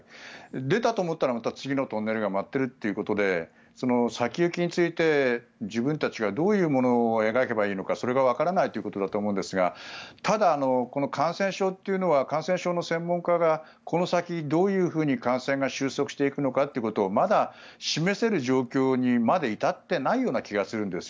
出たと思ったらまた次のトンネルが待っているということで先行きについて、自分たちがどういうものを描けばいいのかそれがわからないということだと思うんですがただ、感染症というのは感染症の専門家がこの先、どういうふうに感染が収束していくのかということをまだ示せる状況にまで至っていない気がするんです。